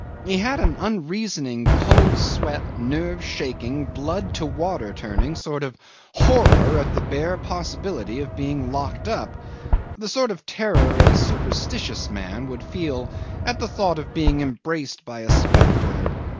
He had an unreasoning cold sweat, nerve shaking, blood to water turning sort of horror at the bare possibility of being locked up the sort of terror a superstitious man would feel at the thought of being embraced by a spectre.